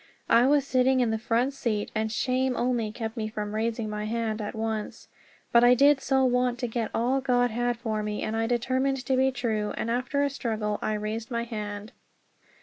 I was sitting in the front seat, and shame only kept me from raising my hand at once. But I did so want to get all God had for me, and I determined to be true; and after a struggle I raised my hand.